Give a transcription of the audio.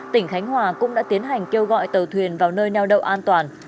tỉnh khánh hòa cũng đã tiến hành kêu gọi tàu thuyền vào nơi nào đâu an toàn